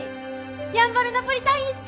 やんばるナポリタン１丁！